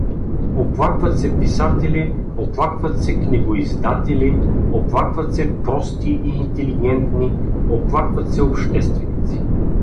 Оплакват се писатели, оплакват се книгоиздатели, оплакват се прости и интелигентни, оплакват се общественици.